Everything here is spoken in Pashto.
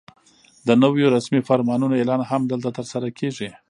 د نویو رسمي فرمانونو اعلان هم دلته ترسره کېږي.